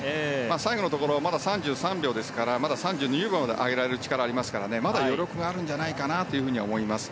最後のところまだ３３秒ですから３２秒まで上げられる力があるからまだ余力があると思います。